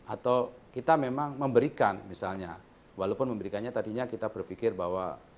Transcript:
atau kita memang memberikan misalnya walaupun memberikannya tadinya kita berpikir bahwa